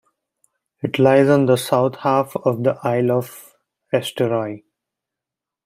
It lies on the south half of the isle of Eysturoy.